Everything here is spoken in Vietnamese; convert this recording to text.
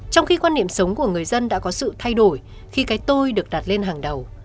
trong khi quan niệm sống của người dân đã có sự thay đổi khi cái tôi được đặt lên hàng đầu